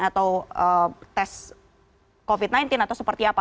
atau tes covid sembilan belas atau seperti apa